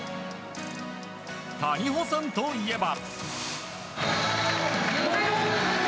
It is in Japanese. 谷保さんといえば。